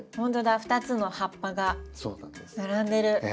２つの葉っぱが並んでる。